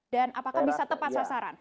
apakah bisa tepat sasaran